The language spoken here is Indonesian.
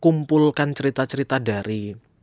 kumpulkan cerita cerita dari